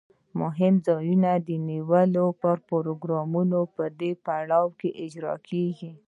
د مهمو ځایونو د نیولو پروګرامونه په دې پړاو کې اجرا کیږي.